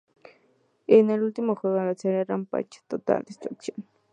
El último juego de la serie es "Rampage: Total Destruction".